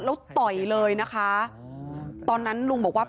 แล้วสู้เลยตอนนั้นลุงบอกว่า